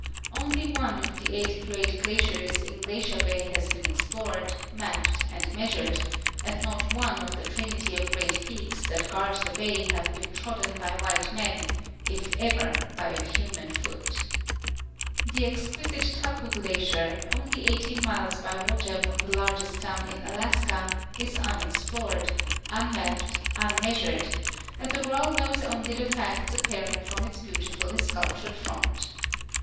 Only one of the eight great glaciers in Glacier ba}^ has been explored, mapped, and measured, and not one of the trinity of great peaks that guard the bay have been trodden by white men, if ever by a human foot. The exquisite Taku glacier, only eighteen, miles by water from the largest town in Alaska, is unexplored, unmapped, un measured, and the world knows only the facts apparent from its beautifully sculptured front.